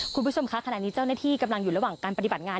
คุณผู้ชมคะขณะนี้เจ้าหน้าที่กำลังอยู่ระหว่างการปฏิบัติงาน